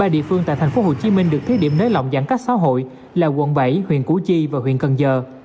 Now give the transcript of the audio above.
ba địa phương tại thành phố hồ chí minh được thí điểm nới lỏng giãn cách xã hội là quận bảy huyện củ chi và huyện cần giờ